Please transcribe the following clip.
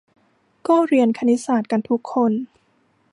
ก็เรียนคณิตศาสตร์กันทุกคน